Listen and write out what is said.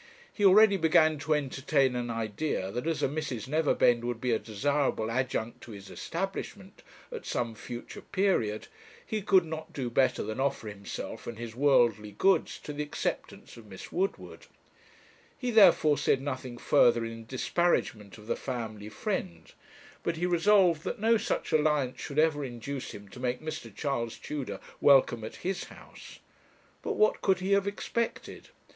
He already began to entertain an idea that as a Mrs. Neverbend would be a desirable adjunct to his establishment at some future period, he could not do better than offer himself and his worldly goods to the acceptance of Miss Woodward; he therefore said nothing further in disparagement of the family friend; but he resolved that no such alliance should ever induce him to make Mr. Charles Tudor welcome at his house. But what could he have expected?